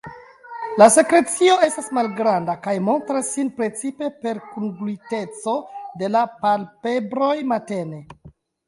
La sekrecio estas malgranda kaj montras sin precipe per kungluiteco de la palpebroj matene.